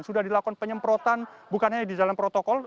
sudah dilakukan penyemprotan bukannya di jalan protokol